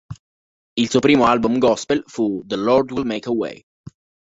Il suo primo album gospel fu "The Lord Will Make a Way".